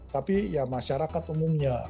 tapi masyarakat umumnya